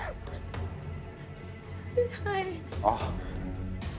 พี่ชัย